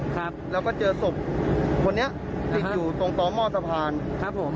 ครับแล้วก็เจอศพคนนี้ติดอยู่ตรงต่อหม้อสะพานครับผม